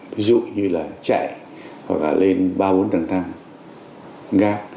ví dụ như là chạy hoặc là lên ba bốn tầng tăng gác